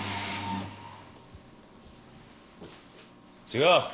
違う！